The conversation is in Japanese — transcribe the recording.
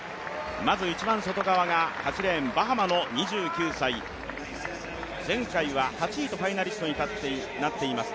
まず、一番外側は８レーンバハマの２９歳前回は８位とファイナリストになっています